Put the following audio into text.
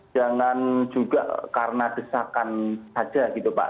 jangan juga karena desakan saja gitu pak